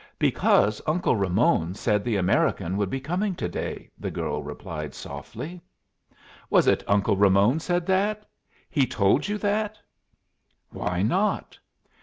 "Because Uncle Ramon said the American would be coming to day," the girl replied, softly. "Was it Uncle Ramon said that? He told you that?" "Why not?"